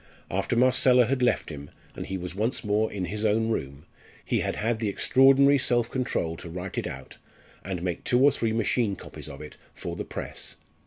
After Marcella had left him, and he was once more in his own room, he had had the extraordinary self control to write it out, and make two or three machine copies of it for the press.